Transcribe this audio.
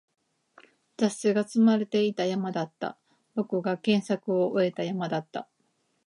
雑誌が積まれていた山だった。僕が探索を終えた山だ。